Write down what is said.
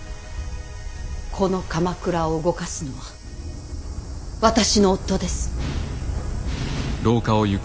この鎌倉を動かすのは私の夫です。